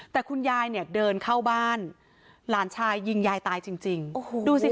แต่คุณยายเนี่ยเดินเข้าบ้านหลานชายยิงยายตายจริงจริงโอ้โหดูสิ